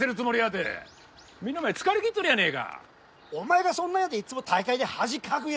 みんなお前疲れきっとるやねえか。お前がそんなんやていつも大会で恥かくんやねえか！